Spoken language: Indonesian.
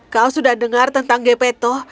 kau sudah dengar tentang gpeto